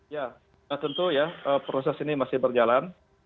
ya tentu ya proses ini masih berjalan